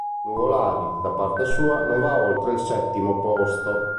Nuvolari, da parte sua, non va oltre il settimo posto.